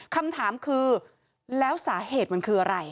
คำถามคือแล้วสาเหตุมันคืออะไร